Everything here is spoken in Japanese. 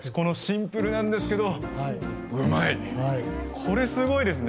これすごいですね。